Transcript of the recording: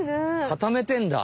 固めてんだ。